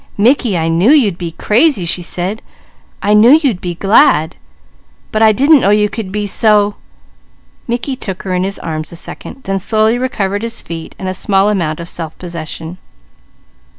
"Mickey, I knew you'd be crazy," she said. "I knew you'd be glad, but I didn't know you could be so " Mickey took her in his arms a second, then slowly recovered his feet and a small amount of self possession.